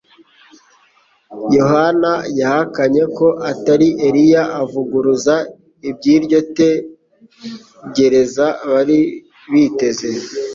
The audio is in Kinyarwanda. Yohana yahakanye ko atari Eliya avuguruza iby'iryo tegereza bari biteze;